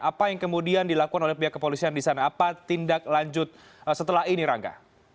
apa yang kemudian dilakukan oleh pihak kepolisian di sana apa tindak lanjut setelah ini rangga